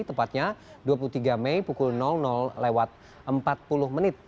tepatnya dua puluh tiga mei pukul lewat empat puluh menit